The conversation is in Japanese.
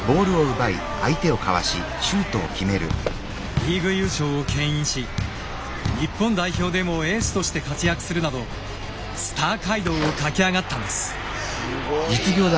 リーグ優勝を牽引し日本代表でもエースとして活躍するなどスター街道を駆け上がったんです。